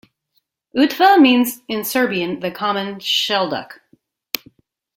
Utva means in Serbian the common shelduck.